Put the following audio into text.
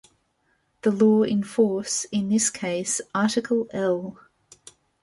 The law in force, in this case Article L.